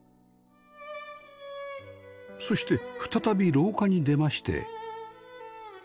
そして再び廊下に出まして